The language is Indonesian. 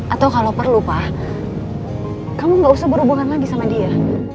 atau kalau perlu pak kamu gak usah berhubungan lagi sama dia